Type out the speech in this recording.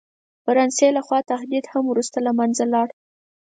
فرانسې له خوا تهدید هم وروسته له منځه ولاړ.